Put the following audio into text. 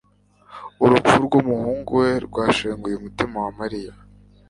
Urupfu rwumuhungu we rwashenguye umutima wa Mariya